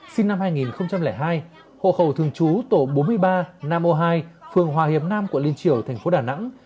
sinh năm hai nghìn hai hộ khẩu thường trú tổ bốn mươi ba nam o hai phường hòa hiệp nam quận liên triều tp đà nẵng